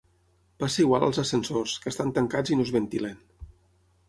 Passa igual als ascensors, que estan tancats i no es ventilen.